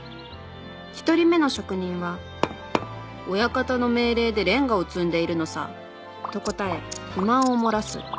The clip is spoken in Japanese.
１人目の職人は「親方の命令でレンガを積んでいるのさ」と答え不満を漏らす。